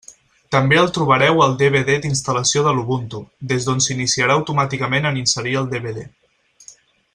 També el trobareu al DVD d'instal·lació de l'Ubuntu, des d'on s'iniciarà automàticament en inserir el DVD.